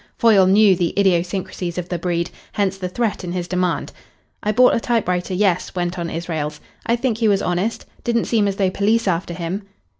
Foyle knew the idiosyncrasies of the breed. Hence the threat in his demand. "I bought a typewriter yes," went on Israels. "I think he was honest. Didn't seem as though police after him."